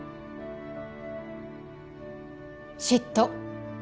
嫉妬